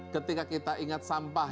ketika kita ingat sampah